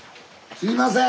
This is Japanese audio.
すいません。